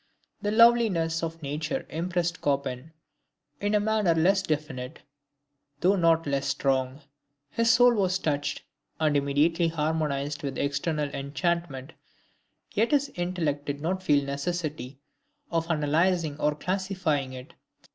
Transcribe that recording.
The loveliness of nature impressed Chopin in a manner less definite, though not less strong. His soul was touched, and immediately harmonized with the external enchantment, yet his intellect did not feel the necessity of analyzing or classifying it.